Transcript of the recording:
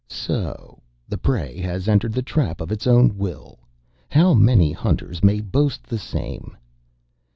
"So the prey has entered the trap of its own will. How many hunters may boast the same?"